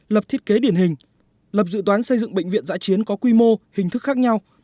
lập thiết kế điển hình lập dự toán xây dựng bệnh viện giã chiến có quy mô hình thức khác nhau